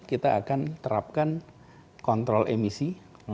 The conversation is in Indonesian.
kita akan terapkan kontrol emisi